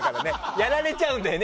やられちゃうんだよね